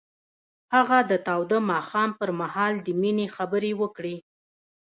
هغه د تاوده ماښام پر مهال د مینې خبرې وکړې.